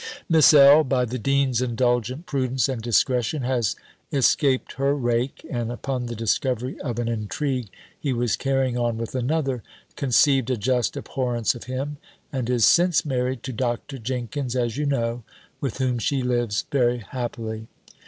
Miss L., by the dean's indulgent prudence and discretion, has escaped her rake; and upon the discovery of an intrigue he was carrying on with another, conceived a just abhorrence of him; and is since married to Dr. Jenkins, as you know, with whom she lives very happily.